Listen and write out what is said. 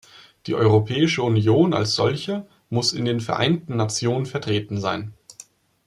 Die Europäische Union als solche muss in den Vereinten Nationen vertreten sein.